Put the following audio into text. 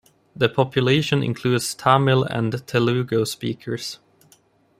The population includes Tamil and Telugu speakers.